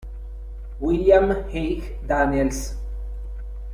William H. Daniels